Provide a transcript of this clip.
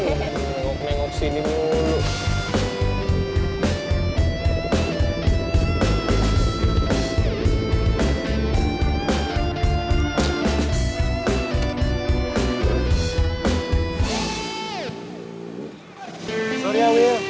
nengok nengok sini mulu